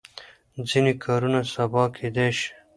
ځینې کارونه سبا کېدای شي.